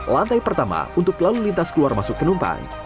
lantai pertama untuk lalu lintas keluar masuk penumpang